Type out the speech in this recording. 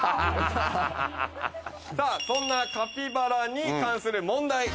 そんなカピバラに関する問題。